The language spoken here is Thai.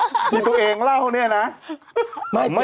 ที่ตัวเองเล่าเนี่ยนะ